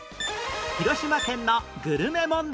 広島県のグルメ問題